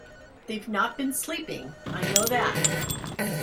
They’ve not been sleeping, I know that.